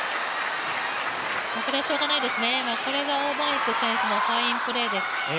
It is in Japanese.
これはしようがないですね、これが王曼イク選手のファインプレーです。